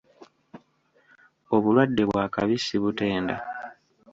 Obulwadde bwa kabi sibutenda.